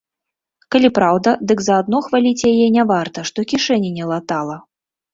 Калі праўда, дык за адно хваліць яе не варта, што кішэні не латала.